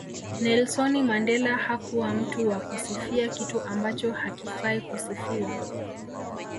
Nelsoni Mandela hakuwa mtu wa kusifia kitu ambacho hakifai kusifiwa